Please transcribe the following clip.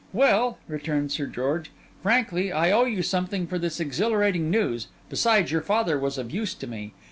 'Well,' returned Sir George, 'frankly I owe you something for this exhilarating news; besides, your father was of use to me.